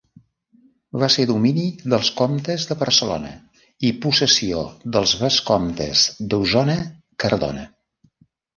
Va ser domini dels comtes de Barcelona i possessió dels vescomtes d'Osona-Cardona.